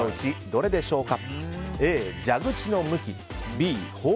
どれでしょうか。